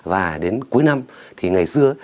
và đến cuối năm thì ngày xưa